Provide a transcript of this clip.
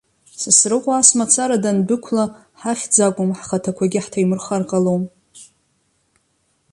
Сасрыҟәа ас мацара дандәықәла, ҳахьӡ акәым, ҳхаҭақәагьы ҳҭаимырхар ҟалом.